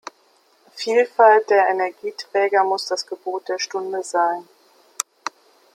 Vielfalt der Energieträger muss das Gebot der Stunde sein.